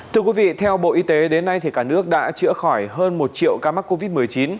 thưa quý vị theo bộ y tế đến nay cả nước đã chữa khỏi hơn một triệu ca mắc covid một mươi chín